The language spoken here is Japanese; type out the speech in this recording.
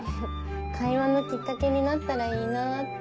会話のきっかけになったらいいなって。